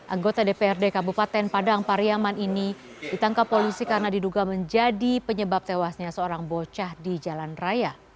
anggota dprd kabupaten padang pariaman ini ditangkap polisi karena diduga menjadi penyebab tewasnya seorang bocah di jalan raya